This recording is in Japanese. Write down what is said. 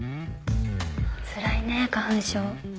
つらいね花粉症。